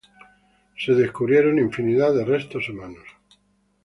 Se descubrieron infinidad de restos humanos.